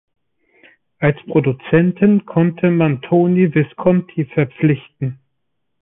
Als Produzenten konnte man Tony Visconti verpflichten.